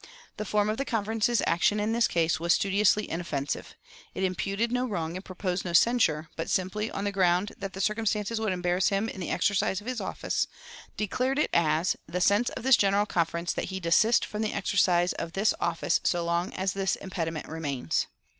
The form of the Conference's action in this case was studiously inoffensive. It imputed no wrong and proposed no censure, but, simply on the ground that the circumstances would embarrass him in the exercise of his office, declared it as "the sense of this General Conference that he desist from the exercise of this office so long as this impediment remains."